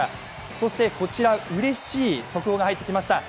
そしてこちらうれしい速報が入ってきました。